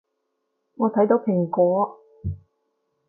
我睇到蘋果